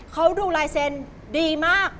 เขาดูลายเซ็นต์ดีมาก